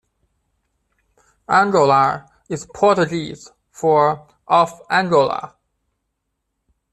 "Angolar" is Portuguese for "of Angola".